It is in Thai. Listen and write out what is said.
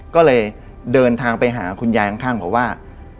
ก็เลยเดินทางไปหาคุณยายข้างบอกว่า